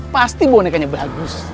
pasti bonekanya bagus